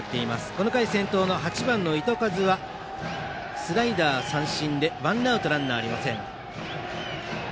この回先頭の８番の糸数はスライダーを三振でワンアウト、ランナーありません。